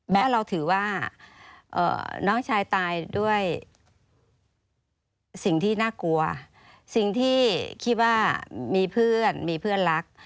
และเราถือว่าน้องชายตายด้วยสิ่งที่น่ากลัวสิ่งที่คิดว่ามีเพื่อนมีเพื่อนรัก